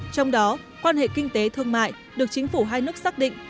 trong đó quan hệ kinh tế thương mại được chính phủ hai nước xác định